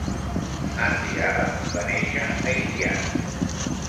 Andy Adams va néixer a Indiana.